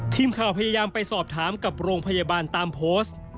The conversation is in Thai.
ทีมข่าวพยายามไปสอบถามกับโรงพยาบาลตามโพสต์